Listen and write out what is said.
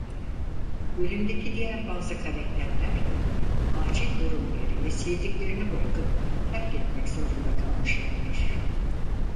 Bölümdeki diğer bazı karakterler de acil durum gereği sevdiklerini bırakıp terk etmek zorunda kalmışlardır.